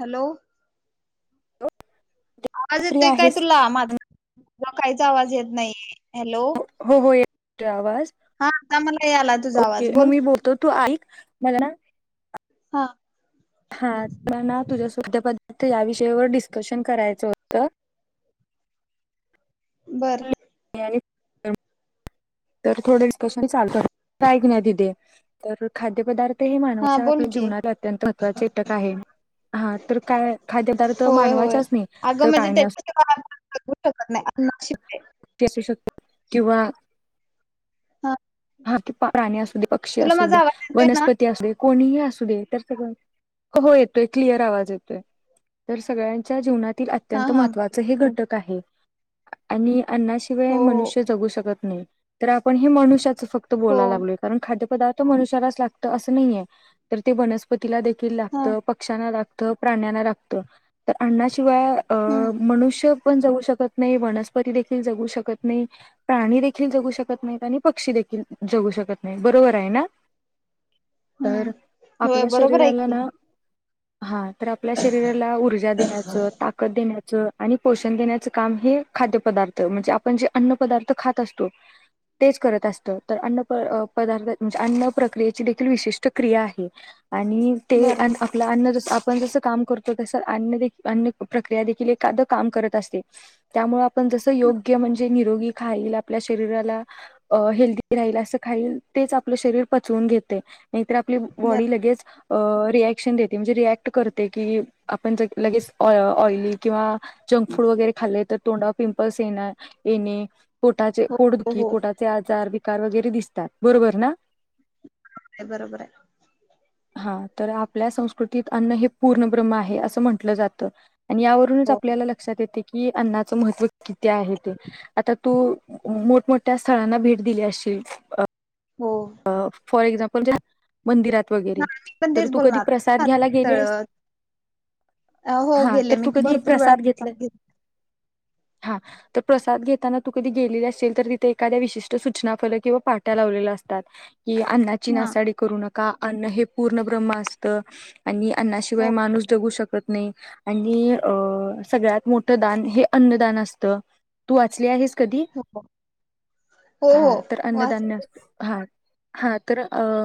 Hello. आवाज free येतोय काय आहेस तुला माझा. मला काहीच आवाज येत नाही हॅलो. हो हो येतोय आवाज. हां आता मला यायलाय तुझा आवाज बोल. तो तू आईक मला ना हां. हा तुला ना तुझ्यासोबत [unintelligible] या विषयावर डिस्कशन करायचं होतं. बरं. [unintelligible] तर थोडं डिस्कशन चालत त ऐक ना दीदी तर खाद्यपदा ते हे हा मानवाच्या बोल आपल्या की जीवनात अत्यंत महत्वाचे घटक आहे. हा तर काय खाद्यपदार्थ होय होय मानवाच्याच नाई अगं तर काय नी अस [unintelligible] जगू शकत नाही [unintelligible] ते असू शकत किंवा हा. हा ते प्राणी, असू दे पक्षी, तुला असू दे माझा आवाज येतोय ना वनस्पती, असू दे कोणीही असू दे तर, सगळं हो येतोय क्लियर आवाज येतोय. तर सगळ्यांच्या जीवनातील हा अत्यंत हा बर. महत्त्वाचे हे घटक आहे. आणि अन्नाशिवाय हो हो मनुष्य जगू शकत नाही, तर आपण हे मनुष्याच फक्त त हो बोलाय लागलोय कारण खाद्य पदार्थ मनुष्यालाच लागतं असं नाही, तर ते वनस्पतीला दे तीला हा लागतं पक्ष्यांना लागतं, प्राण्यांना लागतं. तर अण्णा शिवाय अ हम्म मनुष्य पण जागू शकत नाही वनस्पती देखील जगू शकत नाही, प्राणी देखील जगू शकत नाहीत आणि पक्षी देखील जगु शकत नाही बरोबर आहे ना? तर हम्म होय आपल्या बरोबर आहे शरीराला की ना हा तर आपल्या शरीराला ऊर्जा देण्याचं ताकद देण्याचं आणि पोषण देण्याचं काम हे खाद्यपदार्थ म्हणजे आपण जे अन्न पदार्थ खात असतो तेच करत असत. तर अन्न प पदार्थ म्हणजे अन्न प्रक्रियेची देखील विशिष्ट क्रिया आहे आणि ते बर अन अ आपल आन्न आपण जसं काम करतो, तसं आन्न आन्न प्रक्रिया देखील एखादं काम करत असते. त्यामुळे आपण जसं योग्य म्हणजे निरोगी खाईल आपल्या शरीराला हेल्थ राहील असं खाईल तेच आपलं शरीर पचवून घेते नाहीतर आपली बर बॉडी लगेच अ रिॲक्शन देते म्हणजे रिॲक्ट करते की आपण ज लगेच ऑइली किंवा. जंक फूड वगैरे खाल्ले तर तोंडा पिंपल्स ये येणे पोटाचे हो हो पोटदुखी हो पोटा. आजार विकार वगैरे दिसतात बरोबर ना. बरोबर आहे. हम. हा तर आपल्या संस्कृतीत अन्न हे पूर्णब्रह्म आहे असं म्हंटलं जातं आणि यावर. हो आपल्याला लक्षात येते की अन्नाचं महत्त्व किती आहे ते? आता तू मोठमोठ्या स्थळांना भेट दिली आशील हो. फॉर एक्झाम्पल ज्या मंदिरात वगैरे नाही मी पण तर तेच तू कधी बोलणार प्रसाद घ्यायला तळ गेलेस? हो हा गेले तर मी तू कधी एक भरपूर वेळा प्रसाद घेतलाय घेतला. हा? तर प्रसाद घेताना तु कधी गेलेले असशील तर तिथं एखाद्या विशिष्ट सूचना फल किंवा पाट्या लावलेल्या असतं की अन्नाची हा नासाडी करू नका अन्न हे पूर्ण ब्रम्ह असतं आणि हो अण्णाशिवाय माणूस जगू शकत नाही आणि अ सगळ्यात मोठं दान हे अन्नदान असतं तू वाचली आहेस कधी हो हो हा हो तर वाच अन्नधान्य हा हा तर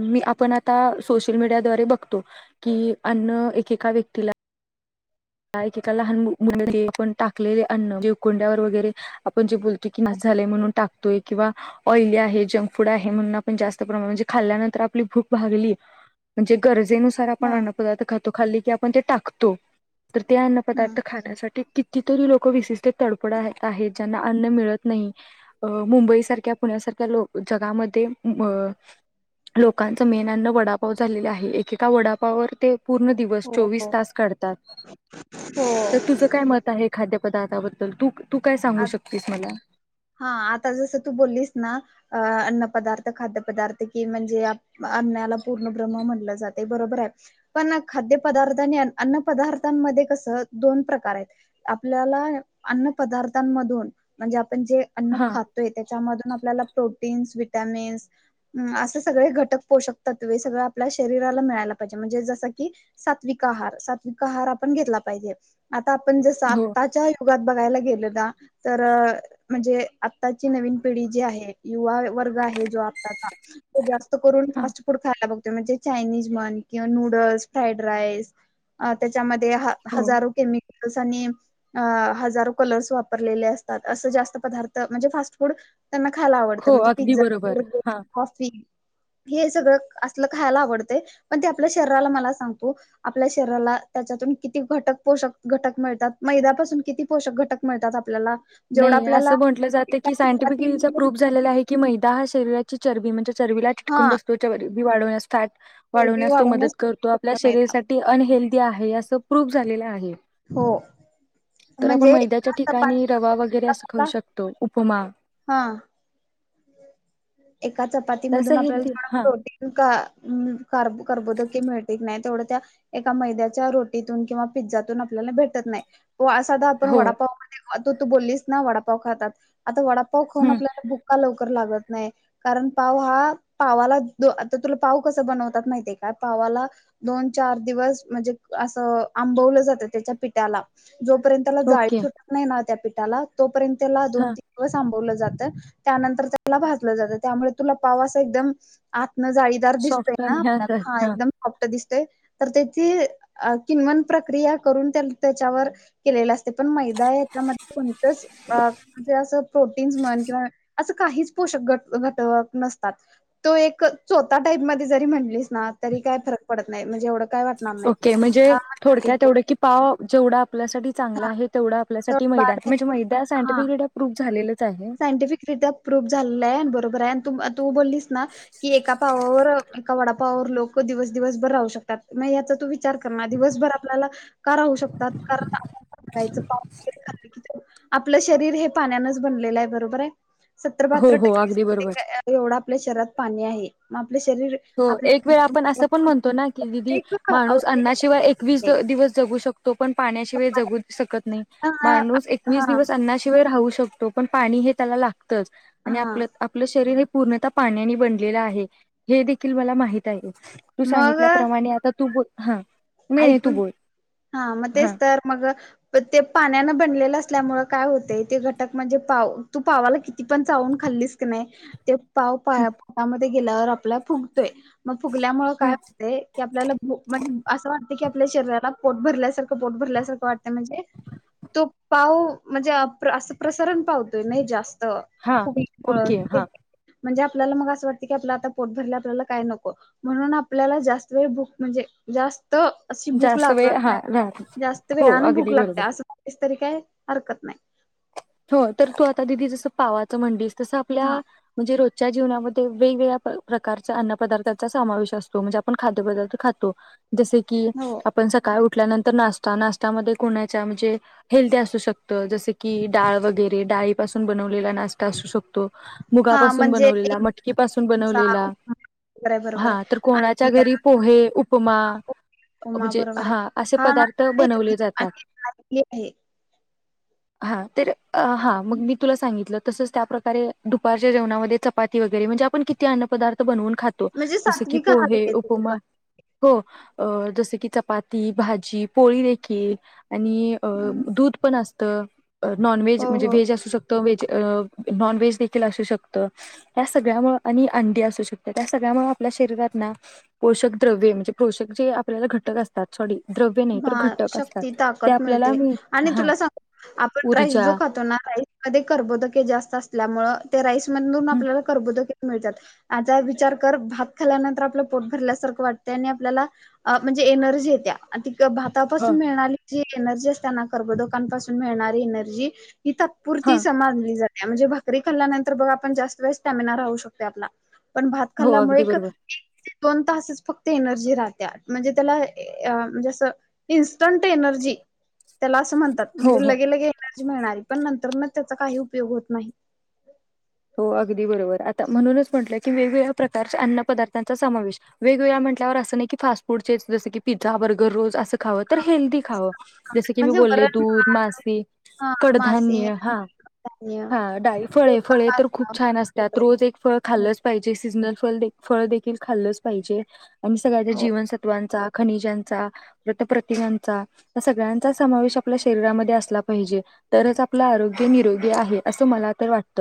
मी आपण आता सोशल मीडियाद्वारे बघतो कि अन्न एकेका व्यक्तीला एका लहान मुले पण टाकलेले अन्न म्हणजे उकडल्यावर वगैरे आपण जे बोलतोय की नास झालाय म्हणून टाकतोय किंवा ऑइली आहे जंक फूड आहे म्हणून पण जास्त प्रमाण म्हणजे खाल्ल्यानंतर आपली भूक भागली म्हणजे गरजेनुसार आपण हा अन्न पदार्थ खातो खाली की आपण ते टाकतो तर ते अन्न हम्म पदार्थ खाण्यासाठी कि तिथे त लोक विशिष्ट तडफडा आहेत ज्यांना अन्न मिळत नाही. अ मुंबई सारख्या पुण्यासारख्या लो जगामध्ये लोकांचं मेन अन्न वडापाव झालेले आहे एकेका वडापाववर ते पूर्ण दिवस हो चोवीस हो तास काढतात. हो. तर तुझं काय मत आहे खाद्यपदार्थाबद्दल तु तु काय सांगू आ शकतेस मला हा आता जसं तू बोललीस ना अन्न पदार्थ खाद्यपदार्थ कि म्हणजे अनण्याला पूर्ण ब्रह्म म्हणलं जाते बरोबर आहे. पण खाद्य पदार्थ आणि अन्न पदार्थांमध्ये कसं दोन प्रकार आहेत. आपल्याला अन्न पदार्थांमधून म्हणजे आपण जे अन्न हा, खात त्याच्यामधून आपल्याला प्रोटीन्स विटॅमिन्स असे सगळे घटक पोषक तत्वे सगळं आपल्या शरीराला मिळायला पाहिजे म्हणजे जसं की सात्विक आहार सात्विक आहार आपण घेतला पाहिजे. आता आपण जसं हो, आत्ताच्या युगात बघायला गेलो ना तर म्हणजे आताची नवीन पिढी जी आहे युवा वर्ग आहे जो आताचाो जास्त करून हा, फास्टफुड खा म्हणजे चायनीज म्हण किंवा नूडल्स फ्राईड राईस त्याच्यामध्ये हो, हजारो केमिकल्स आणि अ हजारो कलर्स वापर त प म्हणेू त्यांना खायला आवडतं हो, म्हणजे अगदी पिझ्झा बरोबर. बर्गर हां. हॉफी हे सगळं असलं खायला आवडतं पण ते आपल्या शरीराला मला सांगतो आपल्या शरीराला त्याच्यातून किती घटक पोषक घटक मिळतात मैद्यापासून किती पोषक घटक मिळतात ला असं म्हट जाते की सायंटिफिकलीचा चपातीमधून प्रूफ झालेला आहे की मैदा हा शरीराची चरबी म्हणजे चरबीला हा चिटकून बसतो चरबी वाढवण्यास फॅट वाढवण्यास तो मदत करतो आपल्या मैदा. शरीरसाठी अनहेल्दीी आहे असं प्रूफ झालेल आहे हो तर आपण म्हणजे मैद्याच्या एका ठिकाणी रवा वगैरे असं खाऊ चपाती शकतो उपमा हा. एका चपाती तर असं मधून आपल्याला हेल्दी थोडा हां, प्रोटी का कार कारबोदकी मिळते नाही तेवढ्या त्या एका मैद्याच्या रोटीतून किंवा पिझ्जातून आपल्याला भेटत नाही साधा आपण हो, वडापाव म तू तू बोललीस ना वडापाव खातात आता वडापाव खाऊन हं, आपल्या का लवकर लागत नाही कारण पाव हा पावाला द आता तुला पाव कसा बनवतात माहिती आहे का पावाला दोन चार दिवस म्हणजे असं आंबवलं जातं त्याच्या पिठ्याला जोपर्यंत त्याला जाळी ओके, सुटत नाही ना त्या पीठाला तोपर्यंत त्याला दोन हां, तीन थांबवलं जातं त्यानंतर त्याला भाजलं जातं त्यामुळे तुला पावास एकदम आतनं जाळी दर्जिस् आहे सॉफ्ट ना आणि हां, आप हा हां. एकद प दिसते तर त्याची किनवन प्रक्रिया करून त्या त्याच्यावर केलेलं असते पण मैदा याच्यामध्ये कोणतंच अ म्ह जे असं प्रोटीन्स म्हण किंवा असं काहीच पोषक घट घटक नसतात तो एक चोथ टाईपमध्येध्ये जरी म्हटलीस ना तरी काय फरक पडत नाही म्हणजे एवढं काय वाटणार नाही ओके म्हणजे हा आहे थोडक्यात तो तेवढं की पाव जेवढा आपल्यासाठी चांगला हा, आहे तेवढा तर आपल्यासाठी मैदा बाद आहे म्हणजे मैदा सायंटिफिकड प्रूफ झालेलेच आहे संटिफिक र प्रूफ झाला आहे बरोबर आहे तू बोललीस ना कि एका पावावर एका वडापावावर लोक दिवस दिवसभर राहू शकतात मग याचा तुम्हीच चार दिवसभर आपल्या का राहू शकतात भरायच पागरेा आपलं शरीर हे पाण्यानच बनलेलं आहे बरोबर आहे सतर पात हो हो टक्के अगदी बरोबर. समथिंग एवढं आपल्या शहरात पाणी आहे मग आपलं शरीर हो एक वेळा आपण असं पण आपल्या म्हणतो ना की दिदी माणूस अण्नाशिवाय एकवीस दिवस जगू शकतो तो पण पाण्याशिवाय जगू शकत नाही हा माणूस एकवीस हा दिवस अन्नाशिवाय राहू शकतो तो पण पाणी हे त्याला लागतच आणि आपलं आपलं शरीर हे पूर्णतः पाण्याने बनलेलं आहे हे देखील मला माहित आहे तू मग सांगितल्याप्रमाणे आता तू ब हा नाही नाही तू ऐकून बोल हा मग तेच तर मग प ते पाण्यानं बनलेलं असल्यामुळे काय होतंय ते घटक म्हणजे पाव तू पावाला कि ती पण चाऊून खाल्लीच की नाही ते पाव पामध्ये गेल्यावर आपल्याला फुगतोय मग फुगल्यामुळे हा. काय ते की आपल्याला- असं वाटतं की आपल्या शरीराला पोट भरल्यासारखं पोट भरल्यासारखं वाटतं म्हणजे... तो पाव म्हणजे असं प्रसारण पावतोय नाही जास्त हा फुगीर ओके हा म्हणजे आपल्याला मग असं वाटत की आपला आता पोट भरला आपल्याला काय नको. म्हणून आपल्याला जास्त वेळ भूक म्हणजे जास्त- अशी भूक जास्त लागत वेळ हा राहत नाही जास्त हो वेळने भूक अगदी लागते बरोबर असंच तरी काही हरकत नाय हो तर तू आता दिदी जसं पावाचं म्हणलीस तसं हा आपल्या- म्हणजे रोजच्या जीवनामध्ये वेग वेगगळ्या प्रकारच्या अन्न पदार्थांचा समावेश असतो म्हणजे आपण खाद्यपदार्थ खातो- जसे की हो आप- आपण सकाळी उठल्यानंतर नाश्ता नाश्यामध्ये कोणा च्या म्हणजे हेल्दी असू शकतं जस की... - डाळ वगैरे डाळीपसून बनवलेला नाश्ता असू शकतो, हा मुगापासून म्हणजे बनवलेला, मटकीपासून बनवलेला- बरोबर आहे बरोबर हा तर आहे कोणाच्या आणि घरी पोहे, उपमा उपमा म्हणजे बरोबर आहे हा असे हा ना पदार्थ आहे बनवले जातात. आणि आहे हा तर, अ हा मग मी तुला सांगितलं तसंच त्या प्रकारे दुपारच्या जेवणा मध्ये चपाती वगैरे म्हणजे आपण किती अन्न पदार्थ बनवून खातो. म्हणजे जसं की सात्विक आहार पोहे, घ्यायचा. उपमा हो, जस की चपाती, भाजी पोळी देखील. आणि अ दूध पण असतं, नॉनव्हेज हो म्हणजे हो व्हेज असू शकतं. तो व्हेज -नॉन व्हेज देखील असू शकतं. या सगळ्या मुळं आणि अंडी असू शकतात, त्या सगळ्या मुंळ आपल्या शरीरात ना पोषक द्रव्ये म्हणजे पोषक जे आपल्याला घटक असत सॉरी द्रव्य नाही तर हा घटक असतात, शक्ती ते ताकद आपल्याला मिळते मिळतात आणि हा. तुला सांग आपण राईस ऊर्जा जो खातो ना राईस कर्बोदके जास्त असल्यामुळे ते राईस मधून आपल्याला [unintelligible] मिळतात. आता विचार कर. भात खाल्यानंतर आपलं पोट भरल्यासारखं वाटतयं आणि आपल्याला अ म्हणजे एनर्जी येत्या. तित भातापासून ह मिळणारी- - ती एक एनर्जी असत्याना करबोधका पासून मिळणारी एनर्जी ती हा तात्पुरती समानली जात. त्या म्हणजे भाकरी खाल्ल्यानंतर बघ आपण जास्त वेळ स्टॅमिना राहू शकतोय आपला. पण भात हो खाल्ल्या मुळे अगदी एकच बरोबर दोन तासच फक्त एनर्जी -हातीया. म्हणजे त्येला ए अं... म्हणजे असं, इनस्टंट एनर्जी त्येला अस म्हणतात. हो म्हणजे हो लगेलगे एनर्जी मिळणारय. पण नंतरन त्येचा काही उपयोग होत नाही. हो अगदी बरोबर. आता म्हणूनच म्हटलं की वेगवेगळ्या प्रकारच्या अन्न पदार्थांचा समावेश वेगवेळा म्हटल्यावर असं नाही की फास्ट फूडचेच रेसिपी पिझ्झा बर्गर रोज असं खाव तर हेल्दी खावं. जस की मी म्हणजे बोलले वरण दूध, भात मासे, हा मासे कडधान्य, हां... धान्य हा डाळी, फळे, फळे पोल्काहार तर खूप छान असत्यात रोज एक फळ हो खाल्लंच- पाहिजे, सीजनलफळ फळ देखील खाल्लच पाहिजे आणि सगळ्याच्या जीवनसत्वांचा खनिजांचा, वतप्रतिगांचा.... त्या सगळ्यांचा समावेश आपल्या शरीरामध्ये असला पाहिजे, तरच आपलं आरोग्य निरो ते आहे, असं मला तर वाटत.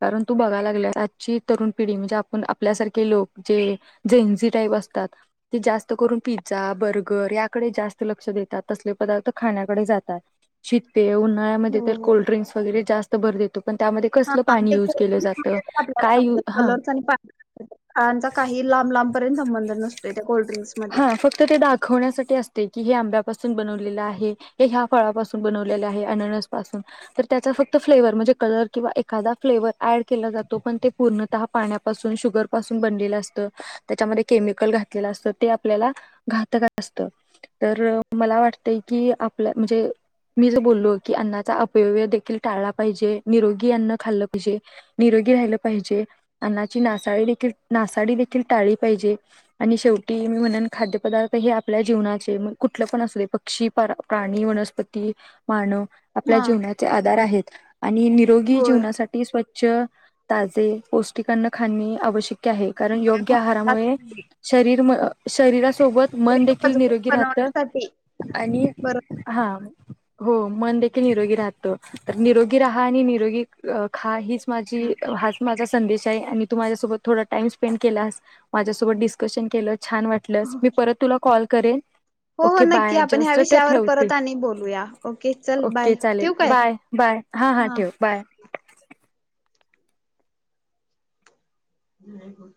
कारण तू बघाय लागलीयाय आजची तरुण पिढी म्हजे आपण आपल्यासारखे लोक जे जेनजी टाईप असतात. ते जास्त करून पिझ्झा, बर्गर याकडे जास्त लक्ष देतात. तसले पदार्थ खाण्याकडे जातात. शीतपेय उन्हाळ्या मध्ये हो तर हो कोल्ड्रिंक्स वगैरे जास्त भर देतो. पण त्यामध्ये हा कसलं पाणी ते युज केलं जात? काय यु हं... सनीपा हां, आमचा काही लांब लांबपर्यंत संबंध नसतोय त्या कोल्ड्रिंक्स मध्ये हां फक्त ते दाखवण्यासाठी असते की हे आंब्यापासून बनवलेलं आहे. हे ह्या फळापासून बनवलेले आहे अननस पासून तर त्याचा फक्त फ्लेवर म्हणजे कलर किंवा एखादा फ्लेवर ऍड केला जातो पण ते पूर्णतः पाण्यापासून शुगर पासून बनलेलं असत, त्याच्यामध्ये केमिकल घातलेलं असत. ते आपल्याला घातक असत तर मला वाटतय की आपल्या म्हणजे मी जे बोललो की अन्नाचा अपयव्य देखील टाळला पाहिजे, निरोगी अन्न खाल्लं पाहिजे. निरोगी राहिलं पाहिजे, अन्नाची नासाडी देखील नासाडी देखील टाली पाहिजे. आणि शेवटी मी म्हणन खाद्य पदार्थ हे आपल्या जीवनाचे कुठलं पण असू दे पक्षी, प्राणी, वनस्पती मानव आपल्या हा जीवनाचे आधार आहेत आणि निरोगी होय होय. जीवनासाठी स्वच्छ, ताजे पौष्टिक अन्न खाणे आवश्यक आहे कारण योग्य मग त्यात आहारामुळे शरीर शरीरासोबत मन शरीर देखील मजबूत निरोगी राहत बनवण्यासाठी आणि बरोबर आहे. हां हो मन देेखील निरोगी राहत, तर निरोगी राहा आणि निरोगी अ खा हीच, हा माझी हाच माझा संदेश आहे आणि तू माझ्यासोबत थोडा टाईम स्पेंड केलास, माझ्यासोबत डीस्कशन केल छान वाटले. तुलाच मी परत तुला कॉल करेन. हो हो ओके नक्की बाय आपण ह्या जस्ट ते विषयावर ठेवते परत आणि बोलूया ओके चल बाय ओके चालेल ठेवू काय बाय बाय हा हा ठेव बाय हम्...